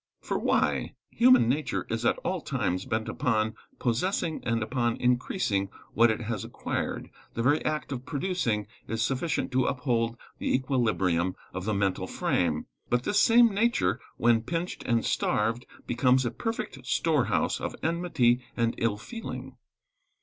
For why? Human nature is at all times bent upon possessing, and upon increasing what it has acquired. The very act of producing is sufficient to uphold the equilibrium of the mental frame. But this same nature, when pinched and starved, becomes a perfect storehouse of enmity and ill feeling.